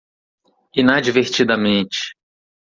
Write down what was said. Inadvertidamente